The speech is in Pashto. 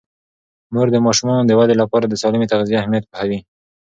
مور د ماشومانو د ودې لپاره د سالمې تغذیې اهمیت پوهیږي.